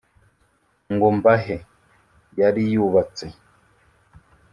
ngo mbahe yari yubatse